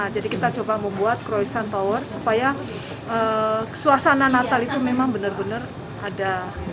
jadi kita coba membuat croissant tower supaya suasana natal itu memang benar benar ada